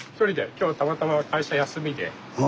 今日たまたま会社休みで。